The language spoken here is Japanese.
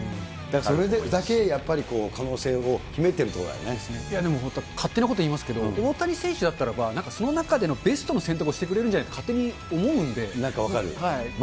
それだけやっぱり可能性を秘めてでも本当、勝手なこと言いますけど、大谷選手だったらば、なんかその中でのベストの選択をしてくれるなんか分かる。